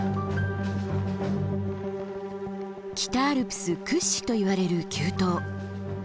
北アルプス屈指といわれる急登。